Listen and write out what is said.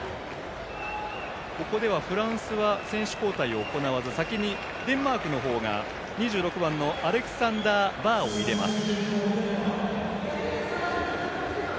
ここではフランスは選手交代を行わず先にデンマークが、２６番のアレクサンダー・バーを入れます。